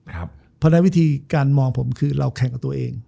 เพราะฉะนั้นวิธีการมองผมคือเราแข่งกับตัวเอง